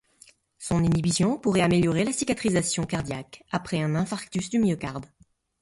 Son inhibition pourrait améliorer la cicatrisation cardiaque après un infarctus du myocarde.